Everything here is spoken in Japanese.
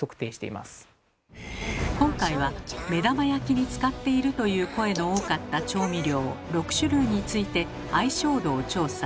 今回は目玉焼きに使っているという声の多かった調味料６種類について相性度を調査。